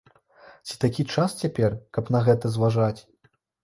Ці такі час цяпер, каб на гэта зважаць?